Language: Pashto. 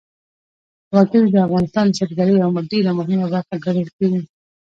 وګړي د افغانستان د سیلګرۍ یوه ډېره مهمه برخه ګڼل کېږي.